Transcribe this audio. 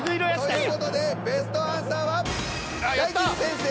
月？という事でベストアンサーは大吉先生